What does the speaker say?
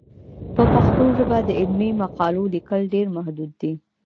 په پښتو ژبه د علمي مقالو لیکل ډېر محدود دي.